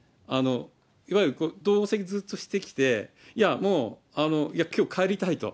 いわゆる同席ずっとしてきて、いや、もう、きょう帰りたいと。